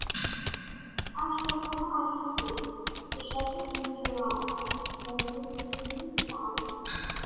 As with other ice creams, the sugar in gelato prevents it from freezing solid.